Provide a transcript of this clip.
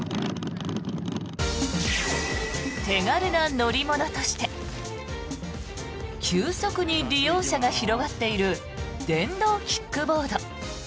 手軽な乗り物として急速に利用者が広がっている電動キックボード。